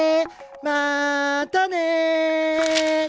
またね！